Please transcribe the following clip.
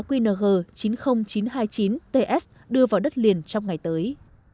qng chín mươi nghìn chín trăm hai mươi chín ts đưa vào đất liền trong ngày tới